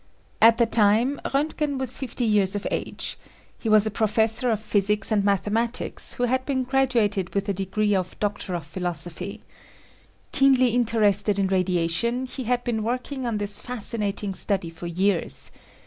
At the time, Roentgen was fifty years of age. He was a professor of physics and mathematics, who had been graduated with a degree of Doctor of Philosophy. Keenly interested in radiation he had been working on this fascinating study for years.